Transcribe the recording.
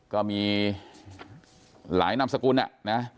ก็มีหลายนามสกุลนะ